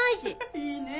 いいねぇ。